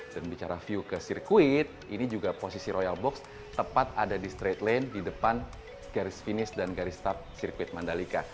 dan bicara view ke sirkuit ini juga posisi royal box tepat ada di straight lane di depan garis finish dan garis stop sirkuit mandalika